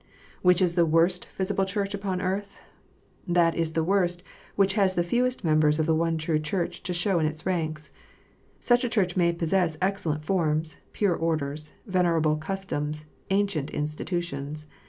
Which is the worst visible Church on earth ? That is the worst which has the fewest members of the one true Church to show in its ranks. Such a Church may possess excellent forms, pure orders, venerable customs, ancient institutions.